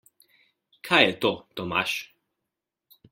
Kaj je to, Tomaž?